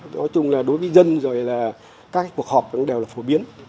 nói chung là đối với dân rồi là các cuộc họp cũng đều là phổ biến